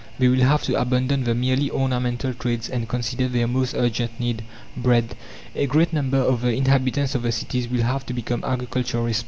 They will have to abandon the merely ornamental trades and consider their most urgent need bread. A great number of the inhabitants of the cities will have to become agriculturists.